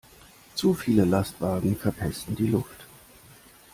Zu viele Lastwagen verpesten die Luft.